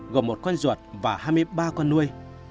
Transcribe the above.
gồm một con ruột và hai mươi ba con nuôi